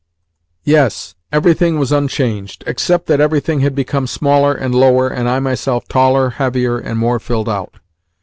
Yes, everything was unchanged, except that everything had become smaller and lower, and I myself taller, heavier, and more filled out.